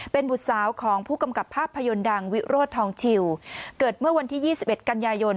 เป็นบุตรสาวของผู้กำกับภาพยนตร์ดังวิโรธทองชิวเกิดเมื่อวันที่ยี่สิบเอ็ดกันยายน